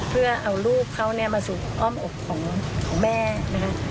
เพื่อเอาลูกเขามาสู่อ้อมอกของแม่นะคะ